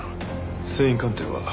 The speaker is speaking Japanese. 繊維鑑定は？